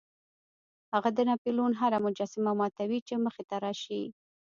هغه د ناپلیون هره مجسمه ماتوي چې مخې ته راشي.